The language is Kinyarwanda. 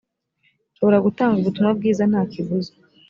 nshobora gutanga ubutumwa bwiza nta kiguzi